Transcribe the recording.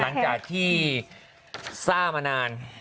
หลังจากที่ทราบมานาน